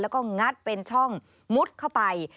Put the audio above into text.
แล้วก็งัดเป็นช่องมุดเข้าไป